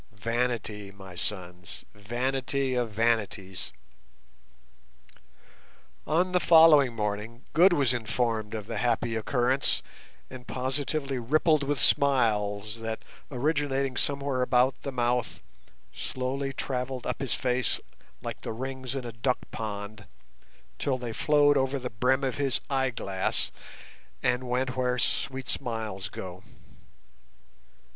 Vanity, my sons; vanity of vanities! On the following morning, Good was informed of the happy occurrence, and positively rippled with smiles that, originating somewhere about the mouth, slowly travelled up his face like the rings in a duckpond, till they flowed over the brim of his eyeglass and went where sweet smiles go.